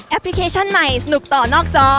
พลิเคชันใหม่สนุกต่อนอกจอ